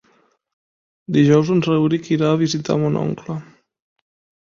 Dijous en Rauric irà a visitar mon oncle.